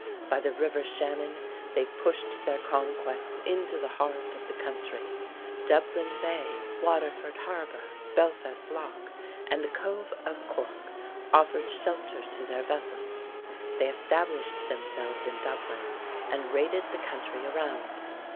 By the river Shannon they pushed their conquests into the heart of the country. Dublin Bay, Waterford Harbor, Belfast Lough, and the Cove of Cork offered shelter to their vessels. They established themselves in Dublin and raided the country around.